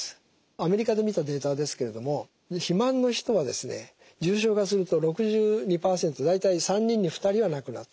アメリカで見たデータですけれども肥満の人はですね重症化すると６２％大体３人に２人は亡くなった。